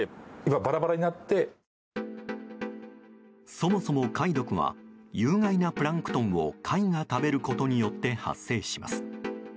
そもそも貝毒は有害なプランクトンを貝が食べることによって発生します。